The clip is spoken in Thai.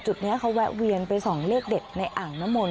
จุดนี้เขาแวะเวียนไป๒เลขเด็ดในอ่างนมล